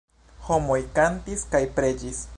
Homoj kantis kaj preĝis.